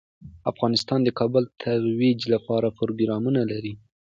افغانستان د کابل د ترویج لپاره پروګرامونه لري.